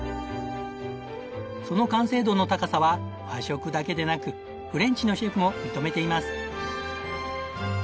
その完成度の高さは和食だけでなくフレンチのシェフも認めています。